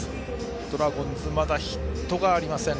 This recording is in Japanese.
ドラゴンズまだヒットがありません。